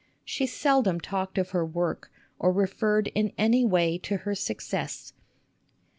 She seldom talked of her work or referred in any way to her success.